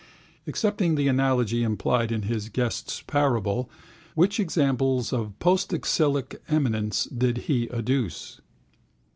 Accepting the analogy implied in his guest's parable which examples of postexilic eminence did he adduce?